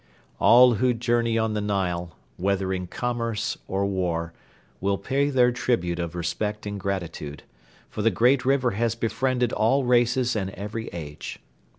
All who journey on the Nile, whether in commerce or war, will pay their tribute of respect and gratitude; for the great river has befriended all races and every age.